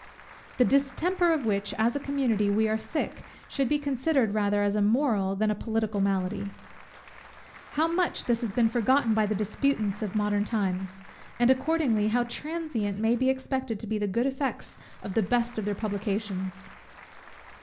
The distemper of which, as a community, we are sick, should be considered rather as a moral than a political malady. How much has this been forgotten by the disputants of modern times! and accordingly, how transient may be expected to be the good effects of the best of their publications!